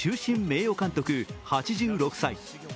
名誉監督８６歳。